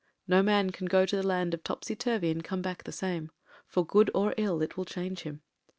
No man can go to the land of Topsy Turvy and come back the same — for good or ill it will change him.